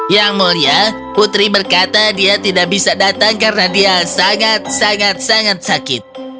yang mulia putri berkata dia tidak bisa datang karena dia sangat sangat sakit